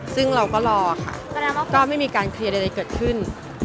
ซึ่งเราก็รอค่ะก็ไม่มีการเคลียร์ใดเกิดขึ้น